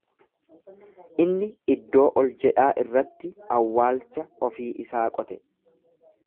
Inni iddoo ol jedhaa irratti awwaalcha ofii isaa qote.